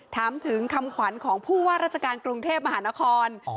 ถามถึงคำขวัญของผู้ว่าราชการกรุงเทพมหานคร